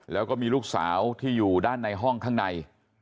แล้วก็มีลูกสาวที่อยู่ด้านในห้องข้างใน